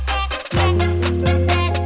dan diarinischer ke pengunggul